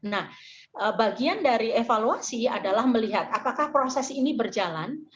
nah bagian dari evaluasi adalah melihat apakah proses ini berjalan